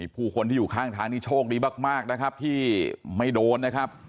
ผู้คนที่อยู่ข้างทางนี้โชคดีมากนะครับที่ไม่โดนนะครับ